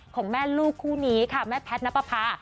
ของแม่ลูกคู่นี้ค่ะแม่แพทย์นับประพา